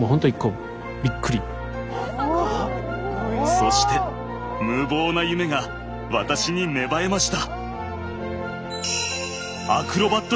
そして無謀な夢が私に芽生えました。